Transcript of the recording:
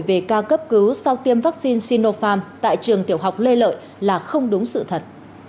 về ca cấp cứu sau tiêm vaccine sinopharm tại trường tiểu học lê lợi là không đúng sự thật